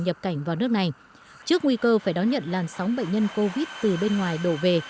nhập cảnh vào nước này trước nguy cơ phải đón nhận làn sóng bệnh nhân covid từ bên ngoài đổ về